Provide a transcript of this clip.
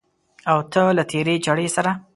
او ته له تېرې چړې سره